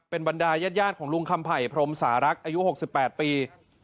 เป็นบรรดายญาติของลุงคำภัยพรมสารักอายุหกสิบแปดปี